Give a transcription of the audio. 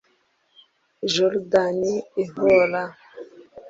Jordan Evora